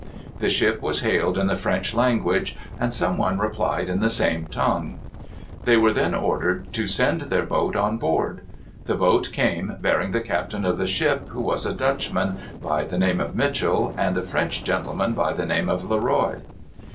The ship was hailed in the French language, and some one replied in the same tongue. They were then ordered to send their boat on board. The boat came bearing the captain of the ship, who was a Dutchman, by the name of Mitchel, and a French gentleman by the name of Le Roy.